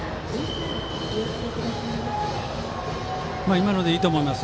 今のでいいと思います。